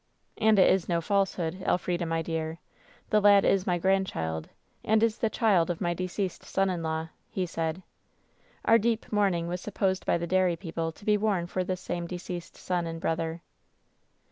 " 'And it is no falsehood, Elfrida, my dear. The lad is my grandchild, and is the child of my deceased son — in laV — ^he said. Our deep mourning was supposed by the dairy people to be worn for this same deceased son and brother.